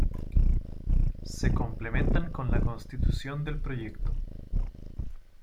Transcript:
Se complementan con la Constitución del proyecto